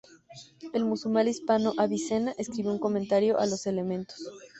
El musulmán hispano Avicena escribió un comentario a los "Elementos".